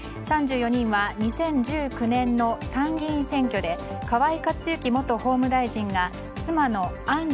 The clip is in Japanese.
３４人は２０１９年の参議院選挙で河井克行元法務大臣が妻の案